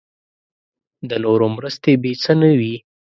د نورو مرستې بې څه نه وي.